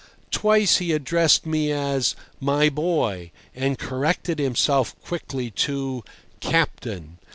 Twice he addressed me as "My boy," and corrected himself quickly to "Captain."